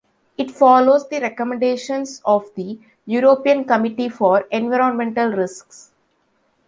It follows the recommendations of the European Community for environmental risks.